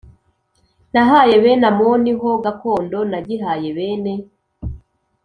nahaye bene amoni ho gakondo; nagihaye bene